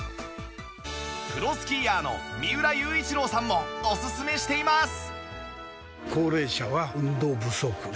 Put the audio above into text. プロスキーヤーの三浦雄一郎さんもおすすめしています